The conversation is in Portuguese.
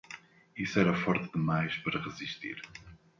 Isso era forte demais para resistir.